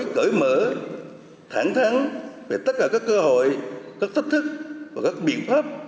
cởi mở thẳng thắng về tất cả các cơ hội các thách thức và các biện pháp